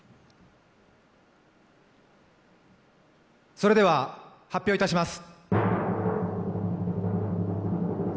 それでは発表いたします。